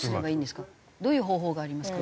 どういう方法がありますか？